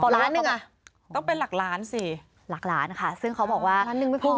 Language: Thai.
ล้านหนึ่งอ่ะต้องเป็นหลักล้านสิหลักล้านค่ะซึ่งเขาบอกว่าล้านหนึ่งไม่พอ